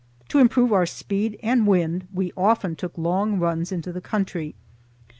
To improve our speed and wind, we often took long runs into the country.